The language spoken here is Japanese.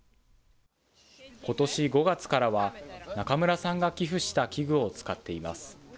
ことし５月からは、中村さんが寄付した器具を使っています。